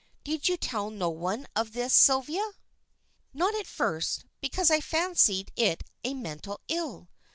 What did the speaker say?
"Did you tell no one of this, Sylvia?" "Not at first, because I fancied it a mental ill.